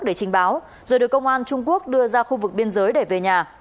để trình báo rồi được công an trung quốc đưa ra khu vực biên giới để về nhà